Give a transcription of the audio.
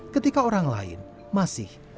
ketika orang lain masih